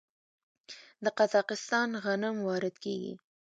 د قزاقستان غنم وارد کیږي.